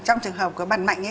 trong trường hợp của bạn mạnh